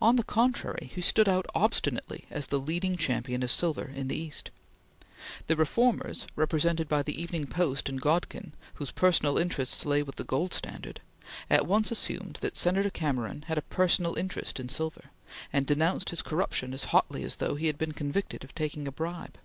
On the contrary, he stood out obstinately as the leading champion of silver in the East. The reformers, represented by the Evening Post and Godkin, whose personal interests lay with the gold standard, at once assumed that Senator Cameron had a personal interest in silver, and denounced his corruption as hotly as though he had been convicted of taking a bribe.